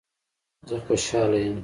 زه خوشحاله یم